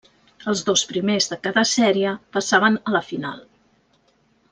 Els dos primers de cada sèrie passaven a la final.